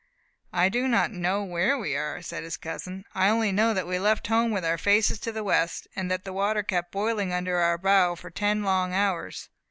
"I do not know where we are," said his cousin. "I only know that we left home with our faces to the west, and that the water kept boiling under our bow for ten long hours.